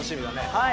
はい。